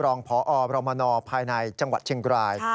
รองพบรมนภายในจังหวัดเชียงราย